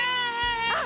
あっ！